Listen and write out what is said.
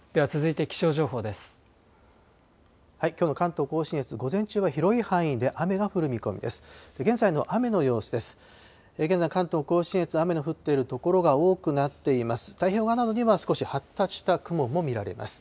きょうの関東甲信越、午前中は広い範囲で雨が降る見込みです。